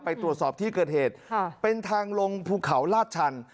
ไปตรวจสอบที่เกิดเหตุค่ะเป็นทางลงภูเขาลาดชัน